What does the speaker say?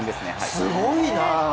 すごいな。